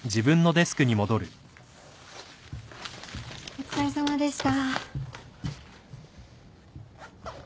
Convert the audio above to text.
お疲れさまでした。